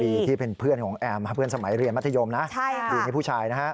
ที่เป็นเพื่อนของแอมเพื่อนสมัยเรียนมัธยมนะดีนี่ผู้ชายนะฮะ